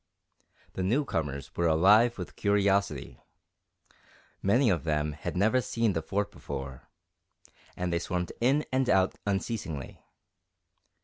The newcomers were alive with curiosity. Many of them had never seen the Fort before, and they swarmed in and out unceasingly.